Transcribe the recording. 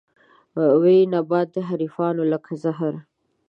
وي نبات د حريفانو لکه زهر